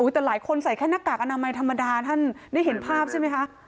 แต่หลายคนใส่แค่หน้ากากอนามัยธรรมดาท่านได้เห็นภาพใช่ไหมคะ